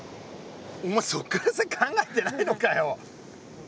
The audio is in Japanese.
お前そっから先考えてないのかよ！